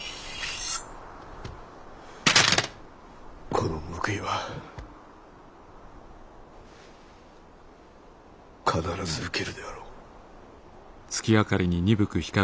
この報いは必ず受けるであろう。